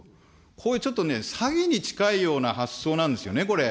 これ、ちょっとね、詐欺に近いような発想なんですよね、これ。